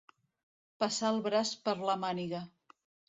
Passar el braç per la màniga.